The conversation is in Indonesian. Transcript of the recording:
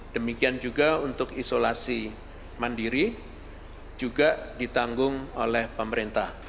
demikian juga untuk isolasi mandiri juga ditanggung oleh pemerintah